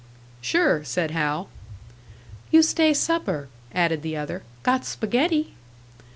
"Sure," said Hal. "You stay supper," added the other. "Got spaghetti."